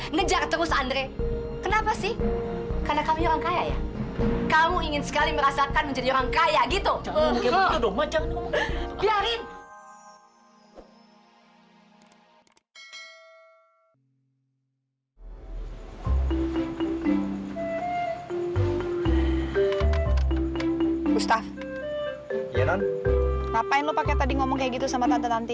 ngapain lo pake tadi ngomong kayak gitu sama tante tanti